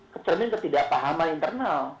kecermin ketidakpahaman internal